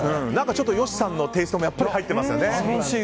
ちょっと吉さんのテイストもやっぱり入ってますよね。